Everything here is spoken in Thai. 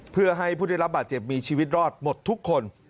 เพื่อให้ผู้ได้รับบาดเจ็บมีชีวิตรอดหมดทุกคน